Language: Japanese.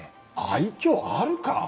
愛嬌あるかぁ？